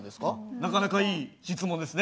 なかなかいい質問ですね。